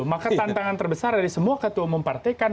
maka tantangan terbesar dari semua ketua umum partai kan